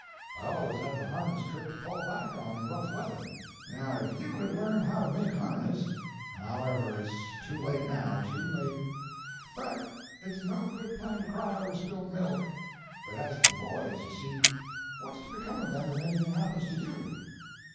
I always had the harness trick to fall back on in rough weather. Now, if you had learned how to make harness—However, it's too late now; too late. But it's no good plan to cry over spilt milk. But as to the boys, you see—what's to become of them if anything happens to you?"